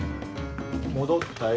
戻ったよ